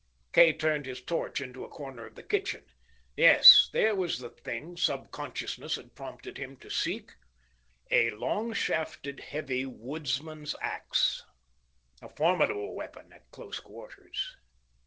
Kay turned his torch into a corner of the kitchen. Yes, there was the thing subconsciousness had prompted him to seek. A long shafted, heavy woodsman's ax, a formidable weapon at close quarters.